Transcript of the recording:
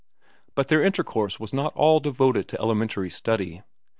But their intercourse was not all devoted to elementary study.